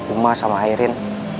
uma sama airin